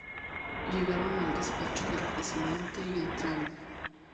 Llegaron al despacho del presidente y entraron.